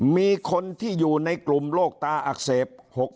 มีคนที่อยู่ในกลุ่มโรคตาอักเสบ